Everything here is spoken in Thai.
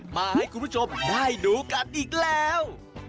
มาให้คุณผู้ชมได้ดูกันอีกแล้ว